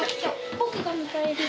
僕が迎える！